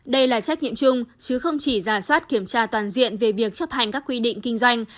đây là trách nhiệm chung chứ không chỉ giả soát kiểm tra toàn diện về việc chấp hành các quy định kinh doanh